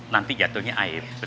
nanti jatuhnya air